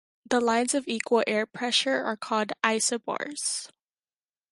The lines of equal air pressure are called "isobars".